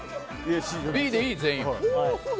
Ｂでいい、全員？